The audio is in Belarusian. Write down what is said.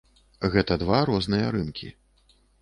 Гэта два розныя рынкі.